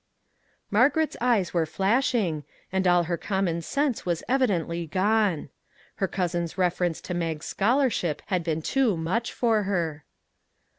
Margaret's eyes were flashing, and all her 3 6 5 MAG AND MARGARET common sense was evidently gone. Her cousin's reference to Mag's scholarship had been too much for her.